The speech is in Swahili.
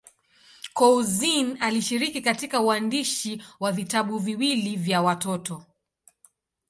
Couzyn alishiriki katika uandishi wa vitabu viwili vya watoto.